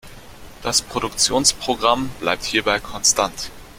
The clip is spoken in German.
Das Produktionsprogramm bleibt hierbei konstant.